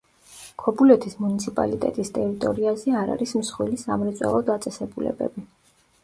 ქობულეთის მუნიციპალიტეტის ტერიტორიაზე არ არის მსხვილი სამრეწველო დაწესებულებები.